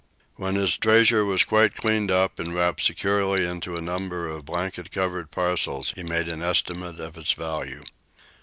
When his treasure was quite cleaned up and wrapped securely into a number of blanket covered parcels, he made an estimate of its value.